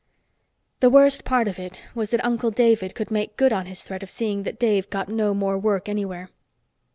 The worst part of it was that Uncle David could make good on his threat of seeing that Dave got no more work anywhere.